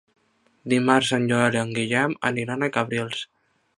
Dimarts en Joel i en Guillem aniran a Cabrils.